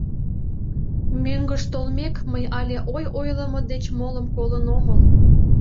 — Мӧҥгыш толмек, мый але ой ойлымо деч молым колын омыл.